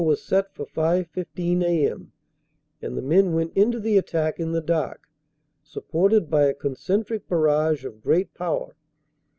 "Zero" hour was set for 5.15 a.m., and the men went into the attack in the dark, supported by a concentric barrage of great power.